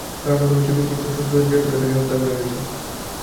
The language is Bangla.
ধারণা করা হচ্ছে, ব্যক্তিগত শত্রুতার জের ধরে তাঁকে হত্যা করা হয়েছে।